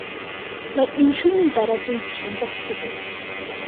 Mae unrhyw nifer o bwyntiau'n bosibl.